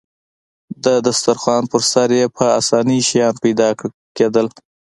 د دسترخوان پر سر يې په اسانۍ شیان پیدا کېدل.